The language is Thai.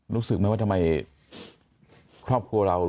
รู้สึกไหมว่าทำไมครอบครัวเราคุณแม่เรา